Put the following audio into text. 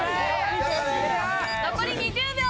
残り２０秒！